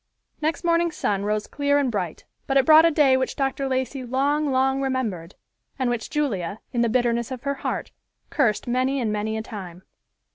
Next morning's sun rose clear and bright, but it brought a day which Dr. Lacey long, long remembered, and which Julia, in the bitterness of her heart, cursed many and many a time.